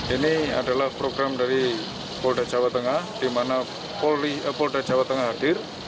ini adalah program dari polda jawa tengah di mana polda jawa tengah hadir